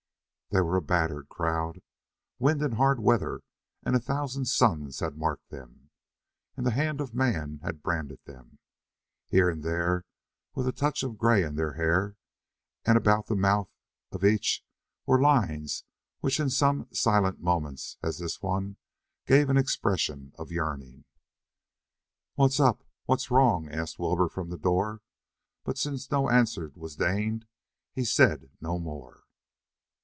They were a battered crowd. Wind and hard weather and a thousand suns had marked them, and the hand of man had branded them. Here and there was a touch of gray in their hair, and about the mouth of each were lines which in such silent moments as this one gave an expression of yearning. "What's up? What's wrong?" asked Wilbur from the door, but since no answer was deigned he said no more.